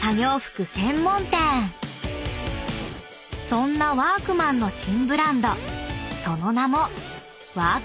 ［そんなワークマンの新ブランドその名も］